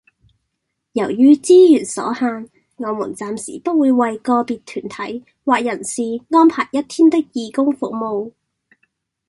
由於資源所限，我們暫時不會為個別團體或人士安排一天的義工服務